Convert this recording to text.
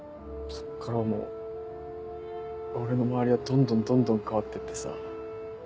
そっからも俺の周りはどんどんどんどん変わってってさぁ。